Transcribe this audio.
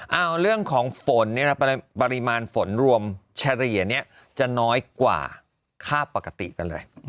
เอาเรื่องของฝนปริมาณฝนรวมเฉลี่ยจะน้อยกว่าค่าปกติกันเลย